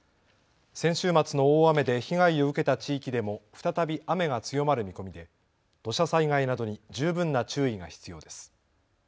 先週末の大雨で被害を受けた地域でも再び雨が強まる見込みで土砂災害などに十分な注意が必要です。